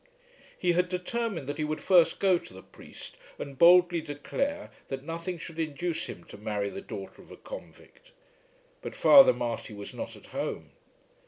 He had determined that he would first go to the priest and boldly declare that nothing should induce him to marry the daughter of a convict. But Father Marty was not at home.